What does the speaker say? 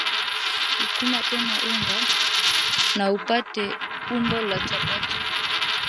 Sukuma tena unga na upate umbo la chapati